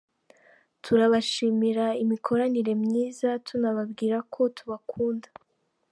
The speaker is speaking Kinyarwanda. Turabashimira imikoranire myiza, tunababwira ko tubakunda.